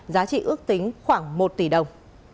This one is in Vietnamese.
giá trị ước tính khoảng một tỷ đồng